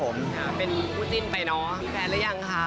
เป็นผู้จิ้นไปเนอะแฟนแล้วยังคะ